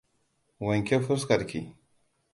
Wanke fuskar ki.